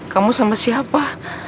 kamu sama siapa